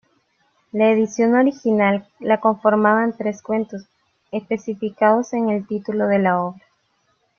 La edición original la conformaban tres cuentos, especificados en el título de la obra.